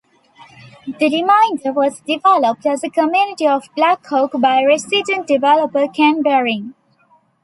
The remainder was developed as the community of Blackhawk by resident developer Ken Behring.